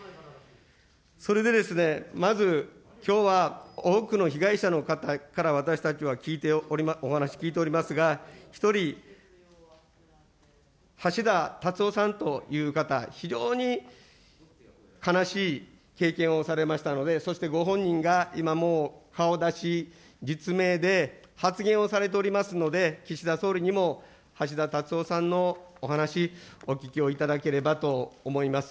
それで、まずきょうは多くの被害者の方から私たちは聞いて、お話聞いておりますが、１人、はしだたつおさんという方、非常に悲しい経験をされましたので、そしてご本人が今も顔出し、実名で発言をされておりますので、岸田総理にも、はしだたつおさんのお話、お聞きをいただければと思います。